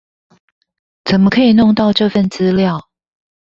怎麼可以弄到這份資料